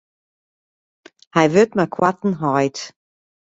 Hy wurdt mei koarten heit.